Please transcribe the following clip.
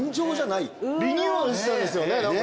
リニューアルしたんですよね？